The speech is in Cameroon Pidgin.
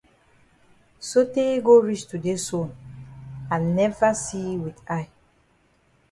Sotay go reach today so I never see yi with eye.